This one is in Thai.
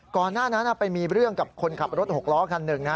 ก่อนหน้านั้นไปมีเรื่องกับคนขับรถหกล้อคันหนึ่ง